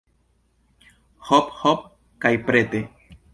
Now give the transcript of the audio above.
Hop, hop kaj prete!